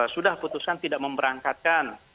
sudah putuskan tidak memberangkatkan